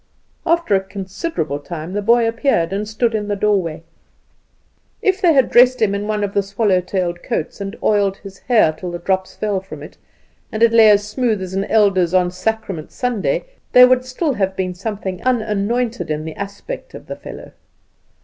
After a considerable time the boy appeared, and stood in the doorway. If they had dressed him in one of the swallow tailed coats, and oiled his hair till the drops fell from it, and it lay as smooth as an elder's on sacrament Sunday, there would still have been something unanointed in the aspect of the fellow.